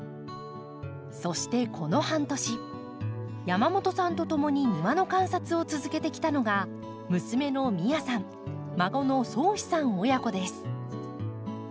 そしてこの半年山本さんとともに庭の観察を続けてきたのが娘の美耶さん孫の蒼士さん親子です。